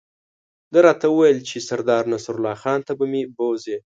ده راته وویل چې سردار نصرالله خان ته به مې بوزي.